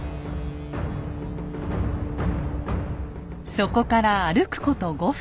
そこから歩くこと５分。